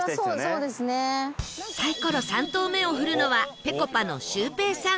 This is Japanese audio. サイコロ３投目を振るのはぺこぱのシュウペイさん